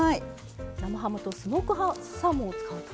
生ハムとスモークサーモンを使うと。